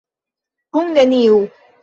Kun neniu.